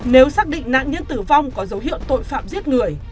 nếu xác định nạn nhân tử vong có dấu hiệu tội phạm giết người